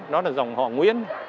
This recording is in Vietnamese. đó là dòng họa nguyễn